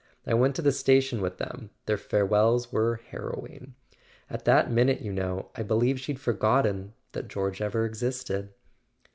I went to the station with them: their farewells were harrowing. At that minute, you know, I believe she'd forgotten that George ever existed!"